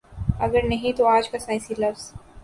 اگر نہیں تو آج کا سائنسی لفظ